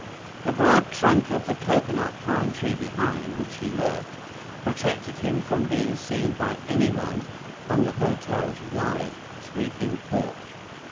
The broad trunk of the coconut palm tree behind which he lurked protected him from being seen by anyone on the hotel's wide, sweeping porch.